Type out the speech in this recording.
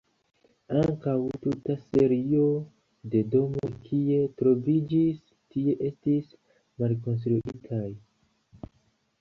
Ankaŭ tuta serio de domoj kie troviĝis tie estis malkonstruitaj.